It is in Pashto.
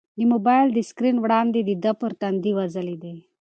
د موبایل د سکرین وړانګې د ده پر تندي وځلېدې.